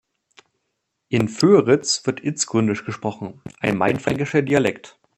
In Föritz wird Itzgründisch gesprochen, ein mainfränkischer Dialekt.